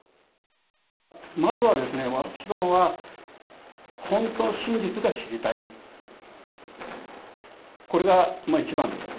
まずはですね、私どもは、本当の真実が知りたい、これが一番です。